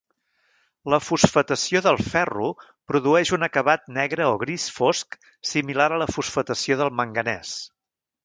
La fosfatació del ferro produeix un acabat negre o gris fosc similar a la fosfatació del manganès.